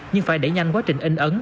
nhưng phải đẩy nhanh quá trình in ấn